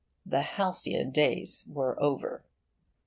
The halcyon days were over.